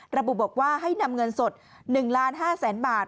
ระบุบอกว่าให้นำเงินสด๑๕๐๐๐๐บาท